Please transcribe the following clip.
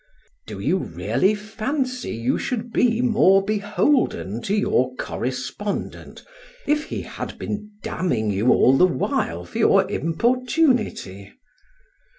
Do you really fancy you should be more beholden to your correspondent, if he had been damning you all the while for your importunity?